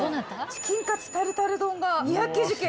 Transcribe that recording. チキンカツタルタル丼が２９９円。